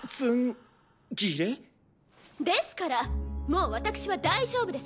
ですからもう私は大丈夫です。